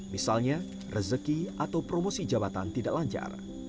misalnya rezeki atau promosi jabatan tidak lancar